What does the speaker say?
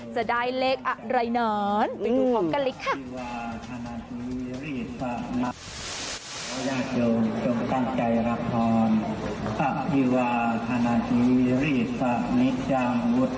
จะได้เลขอักดรายเหนิน